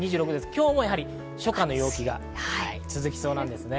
今日も初夏の陽気が続きそうなんですね。